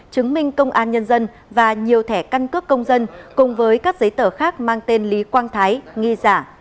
chứng minh công an nhân dân và nhiều thẻ căn cước công dân cùng với các giấy tờ khác mang tên lý quang thái nghi giả